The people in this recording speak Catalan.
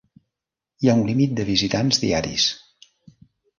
Hi ha un límit de visitants diaris.